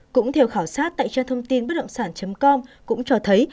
cũng theo khảo sát tại trang thông tin bất động sản com cũng cho thấy